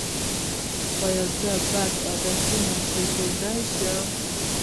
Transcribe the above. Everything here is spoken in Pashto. ایا زه دا بد عادتونه پریښودلی شم؟